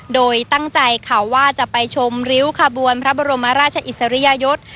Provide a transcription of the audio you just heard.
โดยตั้งใจค่ะว่าจะไปชมริ้วขบวนพระบรมราชอิสริยยศ